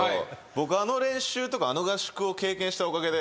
僕あの練習とかあの合宿を経験したおかげで。